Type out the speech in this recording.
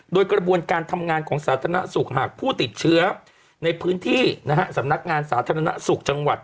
โดยกระบวนการทำงานของสาธารณสุขหากผู้ติดเชื้อในพื้นที่สำนักงานสาธารณสุขจังหวัด